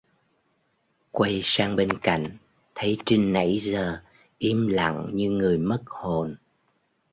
Quay sang bên cạnh thấy trinh nãy giờ im lặng như người mất hồn